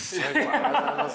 ありがとうございます。